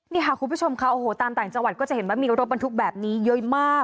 นี่ค่ะคุณผู้ชมค่ะโอ้โหตามต่างจังหวัดก็จะเห็นว่ามีรถบรรทุกแบบนี้เยอะมาก